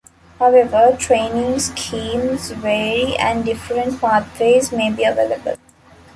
However training schemes vary and different pathways may be available.